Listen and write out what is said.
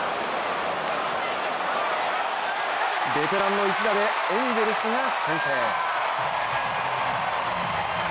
ベテランの一打でエンゼルスが先制。